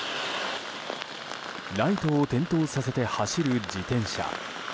ライトを点灯させて走る自転車。